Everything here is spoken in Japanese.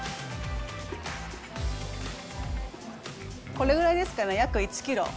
これぐらいですかね、約１キロ。